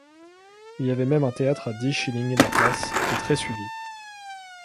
Il y avait même un théâtre à dix shillings la place, et très-suivi.